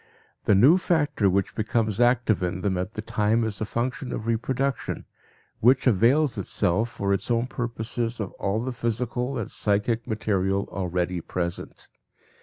The new factor which becomes active in them at the time is the function of reproduction, which avails itself for its own purposes of all the physical and psychic material already present.